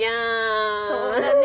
そうだね！